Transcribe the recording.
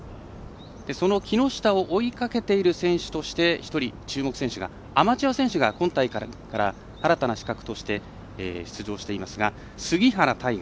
その木下を追いかけている選手として１人、注目選手がアマチュア選手が今大会から新たな資格として出場していますが杉原大河。